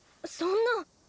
そんな。